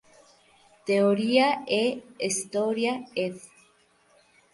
Teoria e storia", ed.